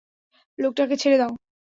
লোকটাকে ছেড়ে দাও!